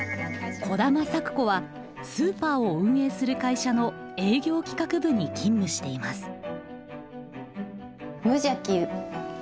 兒玉咲子はスーパーを運営する会社の営業企画部に勤務しています。